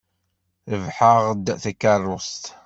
Rebḥeɣ-d takeṛṛust.